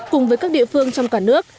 cùng với các địa phương trong cả nước